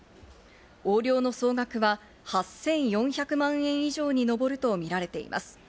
横領の総額は８４００万円以上に上るとみられています。